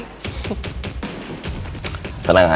dan dia pingin membersihkan namanya putri